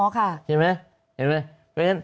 ใช่ไหม